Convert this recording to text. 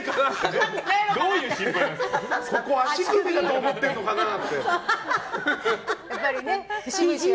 そこ足首かと思ってんのかなって。